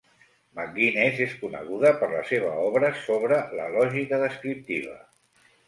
McGuinness és coneguda per la seva obra sobre la lògica descriptiva.